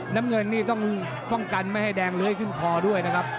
น้ำเงินนี่ต้องป้องกันไม่ให้แดงเลื้อยขึ้นคอด้วยนะครับ